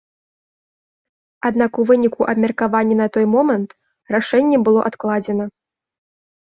Аднак у выніку абмеркавання на той момант рашэнне было адкладзена.